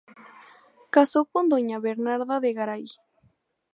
Casó con Doña Bernarda de Garay.